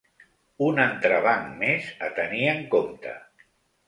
Un entrebanc més a tenir en compte.